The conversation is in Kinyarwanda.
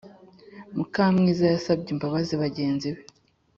mukamwiza yasabye imbabazi bagenzibe